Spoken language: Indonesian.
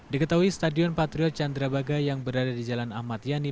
diketahui stadion patriot candrabaga yang berada di jalan ahmad yani